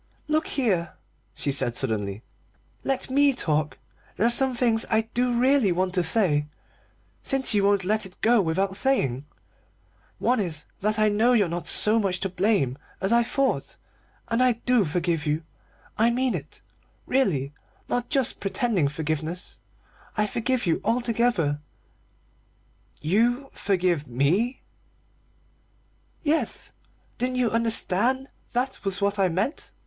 "Look here," she said suddenly, "let me talk. There are some things I do really want to say, since you won't let it go without saying. One is that I know now you're not so much to blame as I thought, and I do forgive you. I mean it, really, not just pretending forgiveness; I forgive you altogether " "You forgive me?" "Yes, didn't you understand that that was what I meant?